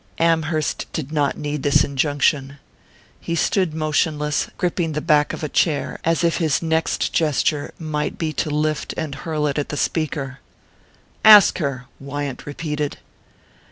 Amherst did not heed this injunction. He stood motionless, gripping the back of a chair, as if his next gesture might be to lift and hurl it at the speaker. "Ask her " Wyant repeated.